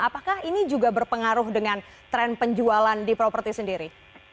apakah ini juga berpengaruh dengan tren penjualan di properti sendiri